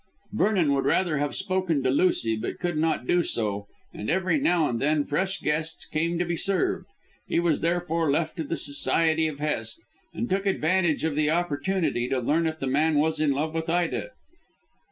Vernon would rather have spoken to Lucy, but could not do so, and every now and then fresh guests came to be served. He was therefore left to the society of Hest, and took advantage of the opportunity to learn if the man was in love with Ida.